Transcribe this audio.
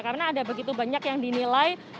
karena ada begitu banyak yang dinilai